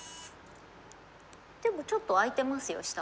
でもちょっと空いてますよ下は。